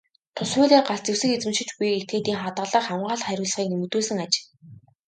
Тус хуулиар галт зэвсэг эзэмшиж буй этгээдийн хадгалах, хамгаалах хариуцлагыг нэмэгдүүлсэн аж.